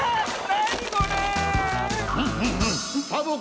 なにこれ⁉